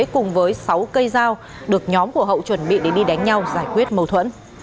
cùng với sáu cây dao được nhóm của hậu chuẩn bị để đi đánh nhau giải quyết mâu thuẫn